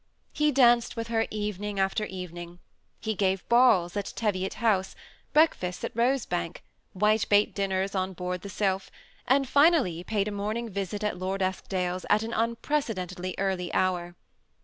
He danced with her, evening after evening. 14 THE SEMI ATTACHED COUPLE. He gave balls at Teviot House, breakfasts at Rose Bank, white bait dinners on board The Svlph, and finally paid a morning visit at Lord Eskdale's at an unprecedentedlj early hour.